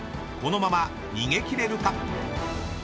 ［このまま逃げ切れるか⁉］